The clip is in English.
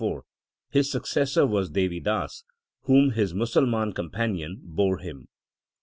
H* 8 successor was Devi Das, whom his Musalman companion bore him.